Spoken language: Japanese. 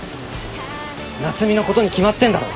夏海のことに決まってんだろ。